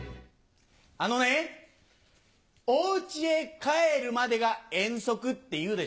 あのね「お家へ帰るまでが遠足」っていうでしょ？